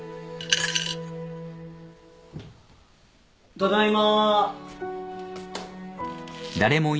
ただいま。